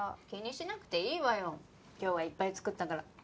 気にしなくていいわよ今日はいっぱい作ったから。